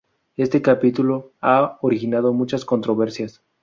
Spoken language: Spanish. Este capítulo ha originado muchas controversias.